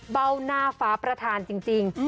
เบ้าหน้าฟ้าประธานจริง